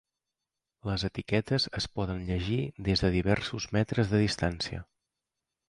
Les etiquetes es poden llegir des de diversos metres de distància.